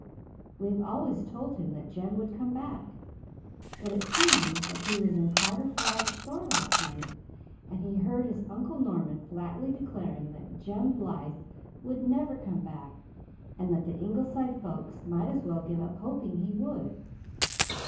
We have always told him that Jem would come back. But it seems that he was in Carter Flagg's store last night and he heard his Uncle Norman flatly declaring that Jem Blythe would never come back and that the Ingleside folk might as well give up hoping he would.